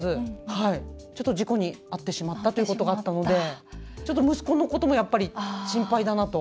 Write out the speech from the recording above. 経験値もないので距離感もよく分からずちょっと事故に遭ってしまったということがあったのでちょっと息子のこともやっぱり、心配だなと。